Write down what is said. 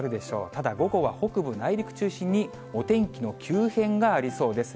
ただ午後は北部、内陸中心に、お天気の急変がありそうです。